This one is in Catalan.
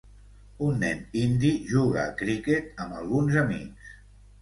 Un nen indi juga a criquet amb alguns amics.